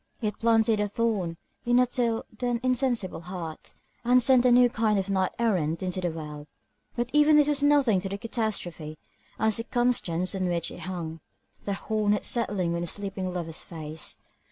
It planted a thorn in a till then insensible heart, and sent a new kind of a knight errant into the world. But even this was nothing to the catastrophe, and the circumstance on which it hung, the hornet settling on the sleeping lover's face.